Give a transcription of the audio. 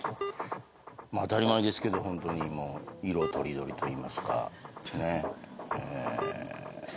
当たり前ですけどホントに色とりどりといいますかね。